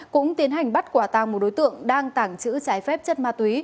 cũng tiến hành bắt quả tăng một đối tượng đang tảng chữ trái phép chất ma túy